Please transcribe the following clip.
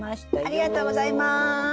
ありがとうございます。